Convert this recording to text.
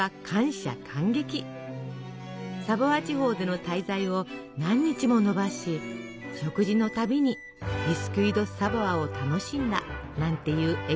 サヴォワ地方での滞在を何日も延ばし食事の度にビスキュイ・ド・サヴォワを楽しんだなんていうエピソードも。